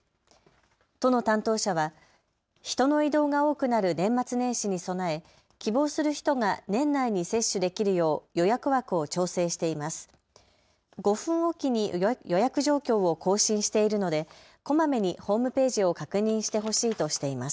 都の担当者は人の移動が多くなる年末年始に備え、希望する人が年内に接種できるよう予約枠を調整しています。